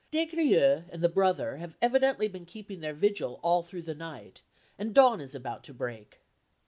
Des Grieux and the brother have evidently been keeping their vigil all through the night, and dawn is about to break.